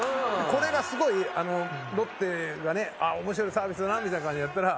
これがすごいロッテがね面白いサービスだなみたいな感じでやったら。